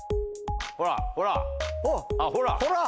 ほらほらあっほら。